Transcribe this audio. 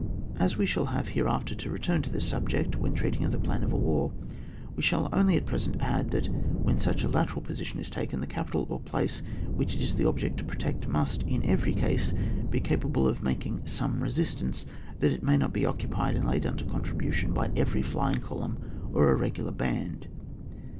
As we shall have hereafter to return to this subject when treating of the plan of a war, we shall only at present add that, when such a lateral position is taken, the capital or place which it is the object to protect, must, in every case, be capa ble of making some resistance that it may not be occupied and laid under contribution by every flying column or irregular band.